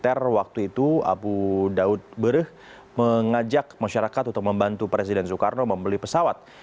ter waktu itu abu daud berh mengajak masyarakat untuk membantu presiden soekarno membeli pesawat